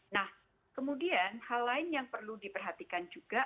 nah kemudian hal lain yang perlu diperhatikan juga